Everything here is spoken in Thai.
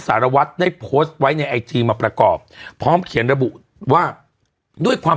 สารวัตรได้โพสต์ไว้ในไอจีมาประกอบพร้อมเขียนระบุว่าด้วยความ